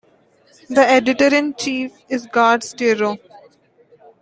The editor-in-chief is Gard Steiro.